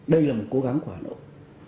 đây là một cố gắng của hà nội